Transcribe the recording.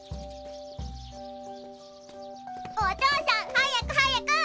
お父さん早く早く！